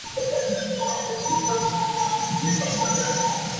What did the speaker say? Buzibu ki bwe musuubira okusanga?